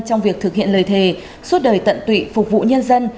trong việc thực hiện lời thề suốt đời tận tụy phục vụ nhân dân